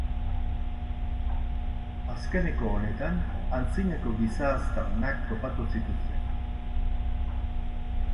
Azkeneko honetan antzinako giza aztarnak topatu zituzten.